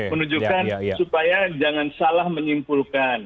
menunjukkan supaya jangan salah menyimpulkan